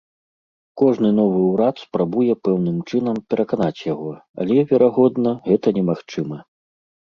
Кожны новы ўрад спрабуе пэўным чынам пераканаць яго, але, верагодна, гэта немагчыма.